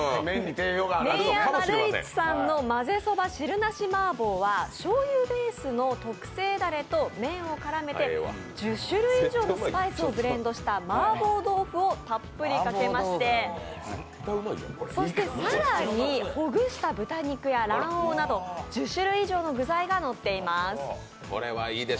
麺屋まるいちさんのまぜそば汁なし麻婆は、しょうゆベースの特製だれと麺を絡めて、１０種類以上のスパイスをブレンドしたマーボー豆腐をたっぷりかけまして、そして更にほぐした豚肉や卵黄など１０種類以上の具材がのっています。